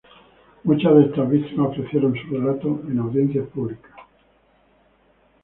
Muchas de estas víctimas ofrecieron sus relatos en audiencias públicas.